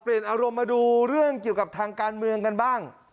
อารมณ์มาดูเรื่องเกี่ยวกับทางการเมืองกันบ้าง